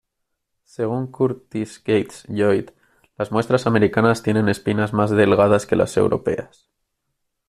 Según Curtis Gates Lloyd, las muestras americanas tienen espinas más delgadas que las europeas.